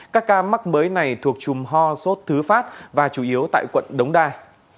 các ca mắc mới này thuộc trùm ho sốt thứ phát và chủ yếu tại quận đống đa